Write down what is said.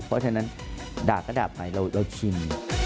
เพราะฉะนั้นด่าก็ด่าไปเราชิน